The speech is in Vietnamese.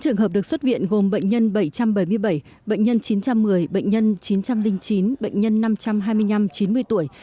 bốn trường hợp được xuất viện gồm bệnh nhân bảy trăm bảy mươi bảy bệnh nhân chín trăm một mươi bệnh nhân chín trăm linh chín bệnh nhân năm trăm hai mươi năm chín mươi tuổi